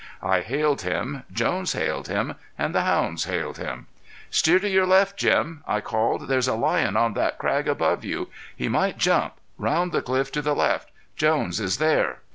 I hailed him, Jones hailed him and the hounds hailed him. "Steer to your left Jim!" I called.. "There's a lion on that crag above you. He might jump. Round the cliff to the left Jones is there!"